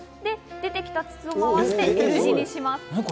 出てきた筒をまわしてＬ字にします。